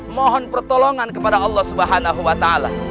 mohon pertolongan kepada allah subhanahu wa ta'ala